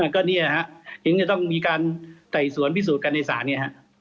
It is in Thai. ก็เนี่ยฮะถึงจะต้องมีการไต่สวนพิสูจน์กันในศาลเนี่ยฮะ